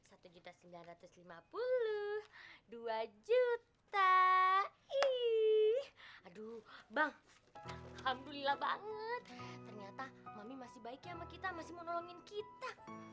aduh bang alhamdulillah banget ternyata mami masih baik ya sama kita masih mau nolongin kita